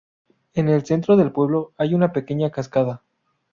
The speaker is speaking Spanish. En el centro del pueblo hay una pequeña cascada.